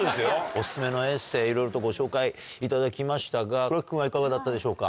お薦めのエッセー、いろいろとご紹介いただきましたが、黒木君はいかがだったでしょうか。